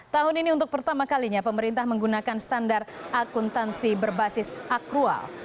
tahun ini untuk pertama kalinya pemerintah menggunakan standar akuntansi berbasis akrual